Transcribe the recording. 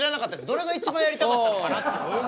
どれが一番やりたかったのかなって。